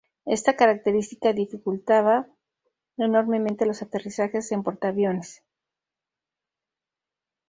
Esta característica dificultaba enormemente los aterrizajes en portaaviones.